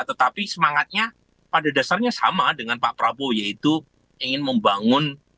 tetapi semangatnya pada dasarnya sama dengan pak prabowo yaitu ingin membangun